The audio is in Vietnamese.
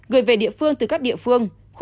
gửi về địa phương từ các địa phương